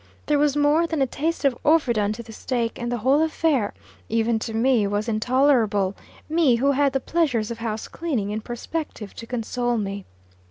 There was more than a taste of "overdone" to the steak, and the whole affair, even to me, was intolerable me, who had the pleasures of house cleaning in perspective to console me.